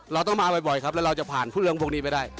เราต้องมาบ่อยครับแล้วเราจะผ่านเรื่องพวกนี้ไปได้